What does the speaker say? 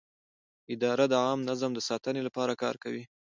اداره د عامه نظم د ساتنې لپاره کار کوي.